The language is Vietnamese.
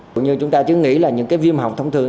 cũng như chúng ta chứ nghĩ là những cái viêm hỏng thông thường